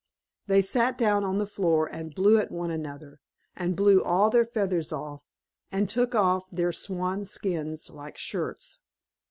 They sat down on the floor, and blew at one another, and blew all their feathers off, and took off their swan's skins like shirts.